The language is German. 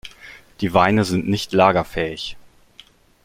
Die Weine sind nicht lagerfähig.